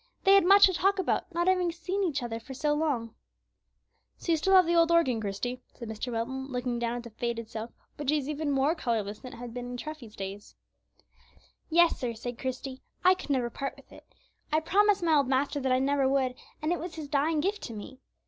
They had much to talk about, not having seen each other for so long. "So you still have the old organ, Christie," said Mr. Wilton, looking down at the faded silk, which was even more colorless than it had been in Treffy's days. "Yes, sir," said Christie, "I could never part with it; I promised my old master that I never would, and it was his dying gift to me.